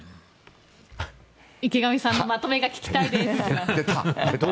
池上さんのまとめが聞きたいです。